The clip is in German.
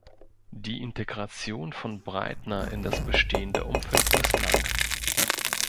Die Integration von Breitner in das bestehende Umfeld misslang.